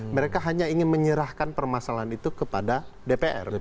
mereka hanya ingin menyerahkan permasalahan itu kepada dpr